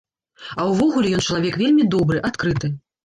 А ўвогуле ён чалавек вельмі добры, адкрыты.